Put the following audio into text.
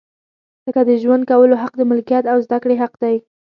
لکه د ژوند کولو حق، د ملکیت او زده کړې حق دی.